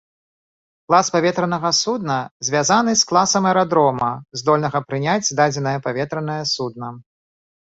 Клас паветранага судна звязаны з класам аэрадрома, здольнага прыняць дадзенае паветранае судна.